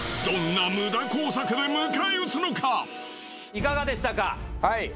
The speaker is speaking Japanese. いかがでしたか？